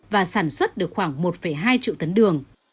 và sản xuất được khoảng một hai triệu tấn đường